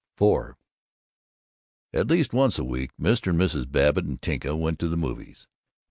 IV At least once a week Mr. and Mrs. Babbitt and Tinka went to the movies.